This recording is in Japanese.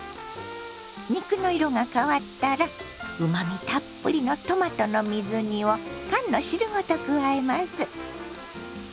肉の色が変わったらうまみたっぷりのトマトの水煮を缶の汁ごと加えます。